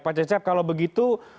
pak cecep kalau begitu